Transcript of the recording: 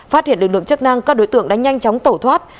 phát hiện lực lượng chức năng các đối tượng đã nhanh chóng tẩu thoát